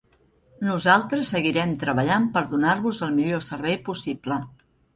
Nosaltres seguirem treballant per donar-vos el millor servei possible.